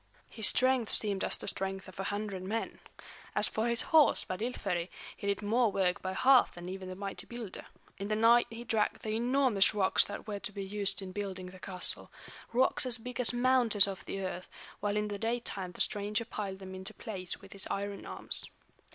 His strength seemed as the strength of a hundred men. As for his horse Svadilföri, he did more work by half than even the mighty builder. In the night he dragged the enormous rocks that were to be used in building the castle, rocks as big as mountains of the earth; while in the daytime the stranger piled them into place with his iron arms.